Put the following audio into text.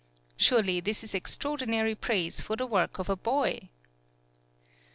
Surely this is extraordinary praise for the work of a boy!